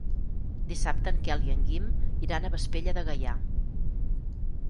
Dissabte en Quel i en Guim iran a Vespella de Gaià.